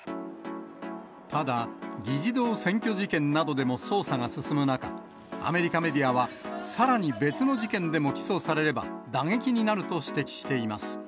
ただ、議事堂占拠事件などでも捜査が進む中、アメリカメディアは、さらに別の事件でも起訴されれば、打撃になると指摘しています。